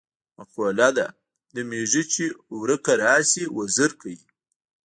مقوله ده: د میږي چې ورکه راشي وزر کوي.